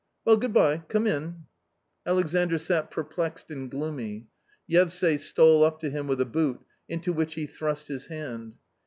Well, good bye, come in." Alexandr sat perplexed and gloomy. Yevsay stole up to him with a boot, into which he thrust his hand.